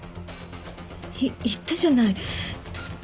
い言ったじゃない。